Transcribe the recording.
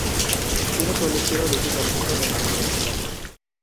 তিনি চল্লিশটিরও বেশি চলচ্চিত্র নির্মাণ করেছিলেন।